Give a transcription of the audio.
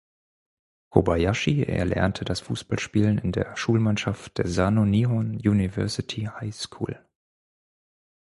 Kobayashi erlernte das Fußballspielen in der Schulmannschaft der "Sano Nihon University High School".